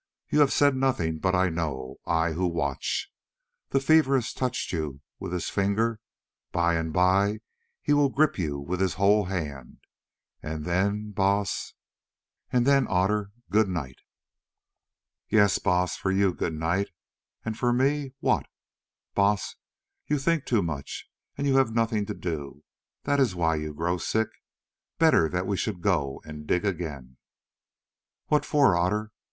You have said nothing, but I know, I who watch. The fever has touched you with his finger, by and by he will grip you with his whole hand, and then, Baas——" "And then, Otter, good night." "Yes, Baas, for you good night, and for me, what? Baas, you think too much and you have nothing to do, that is why you grow sick. Better that we should go and dig again." "What for, Otter?